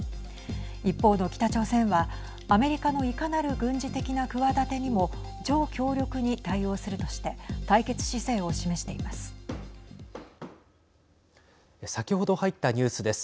一方の北朝鮮はアメリカのいかなる軍事的な企てにも超強力に対応するとして対決姿勢を示しています。